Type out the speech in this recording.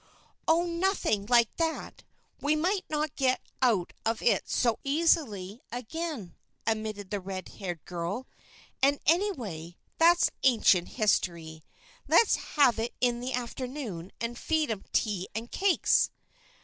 "Oh, nothing like that! We might not get out of it so easy again," admitted the red haired girl. "And, anyway, that's ancient history. Let's have it in the afternoon and feed 'em tea and cakes."